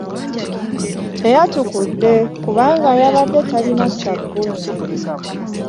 Teyatukudde kubanga yabadde talina sabbuuni.